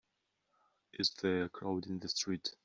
Is there a crowd in the street?